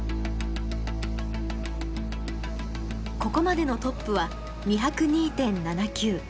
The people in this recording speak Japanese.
ここまでのトップは２０２．７９。